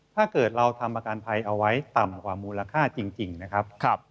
ถ้าเกิดเราทำประกันภัยเอาไว้ต่ำกว่ามูลค่าจริงนะครับ